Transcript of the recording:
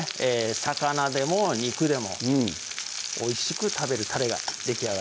魚でも肉でもおいしく食べるタレができあがります